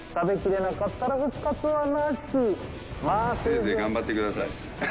「せいぜい頑張ってください」